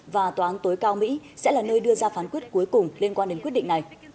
và tòa án tối cao mỹ sẽ là nơi đưa ra phán quyết cuối cùng liên quan đến quyết định này